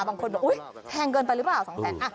บางคนบอกอุ๊ยแพงเกินไปหรือเปล่า๒แสน